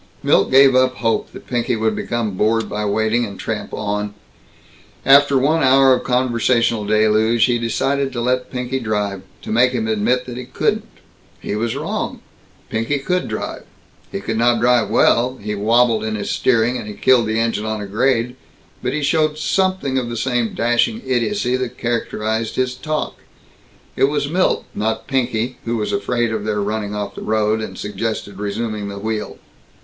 Milt gave up hope that Pinky would become bored by waiting and tramp on. After one hour of conversational deluge, he decided to let Pinky drive to make him admit that he couldn't. He was wrong. Pinky could drive. He could not drive well, he wabbled in his steering, and he killed the engine on a grade, but he showed something of the same dashing idiocy that characterized his talk. It was Milt not Pinky, who was afraid of their running off the road, and suggested resuming the wheel.